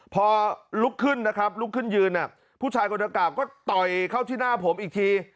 พอลุกขึ้นนะครับลุกขึ้นยืนผู้ชายคนดังกล่าก็ต่อยเข้าที่หน้าผมอีกที